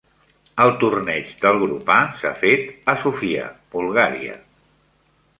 El torneig del Grup A s'ha fet a Sofia, Bulgària.